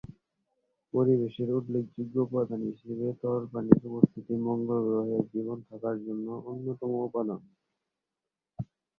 পরিবেশের উল্লেখযোগ্য উপাদান হিসেবে তরল পানির উপস্থিতি মঙ্গল গ্রহে জীবন থাকার জন্য অন্যতম উপাদান।